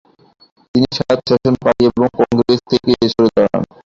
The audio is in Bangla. তিনি স্বায়ত্তশাসন পার্টি এবং কংগ্রেস থেকে সরে দাঁড়ান।